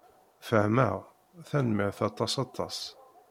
Fehmeɣ. Tanemmirt aṭas aṭas.